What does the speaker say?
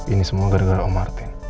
ini semua gara gara om martin